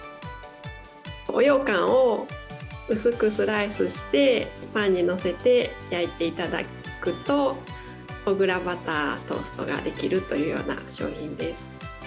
おようかんを、薄くスライスして、パンに載せて焼いていただくと、小倉バタートーストができるというような商品です。